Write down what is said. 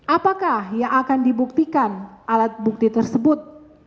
apakah yang akan dibuktikan alat bukti tersebut